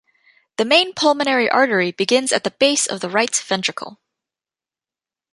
The main pulmonary artery begins at the base of the right ventricle.